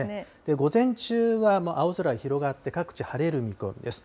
午前中は青空広がって、各地晴れる見込みです。